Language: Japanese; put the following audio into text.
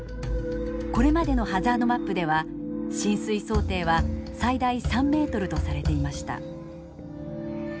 これまでのハザードマップでは浸水想定は最大３ｍとされていました。